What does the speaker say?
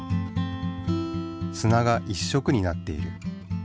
すなが１色になっている。